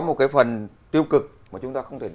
một cái phần tiêu cực mà chúng ta không thể